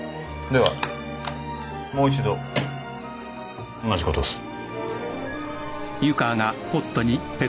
ではもう一度同じことをする。